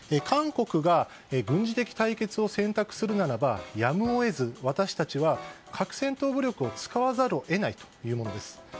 韓国が軍事的対決を選択するならば私たちは各戦闘武力を使わざるを得ないというものです。